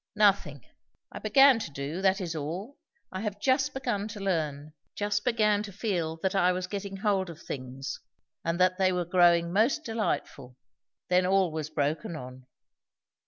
"Nothing. I began to do, that is all. I have just begun to learn. Just began to feel that I was getting hold of things, and that they were growing most delightful. Then all was broken on